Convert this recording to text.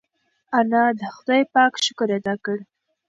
انا د خدای پاک شکر ادا کړ.